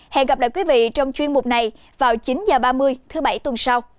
hẹn gặp lại quý vị trong chuyên mục này vào chín h ba mươi thứ bảy tuần sau